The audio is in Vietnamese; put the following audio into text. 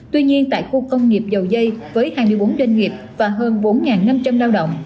tuy nhiên tại khu công nghiệp dầu dây với hai mươi bốn doanh nghiệp và hơn bốn năm trăm linh lao động